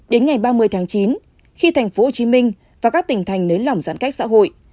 đến ngày ba mươi tháng chín khi tp hcm và các tỉnh thành nới lỏng giãn cách xã hội